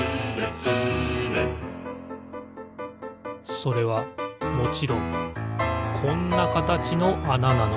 それはもちろんこんなかたちのあななのです